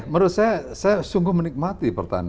menurut saya saya sungguh menikmati pertanian